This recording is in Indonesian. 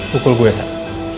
pukul gue sal